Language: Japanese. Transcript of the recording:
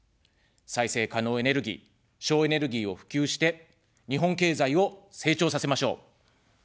再生可能エネルギー、省エネルギーを普及して、日本経済を成長させましょう。